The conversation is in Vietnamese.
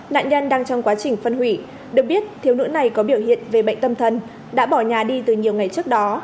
nạn nhân đang trong quá trình phân hủy được biết thiếu nữ này có biểu hiện về bệnh tâm thần đã bỏ nhà đi từ nhiều ngày trước đó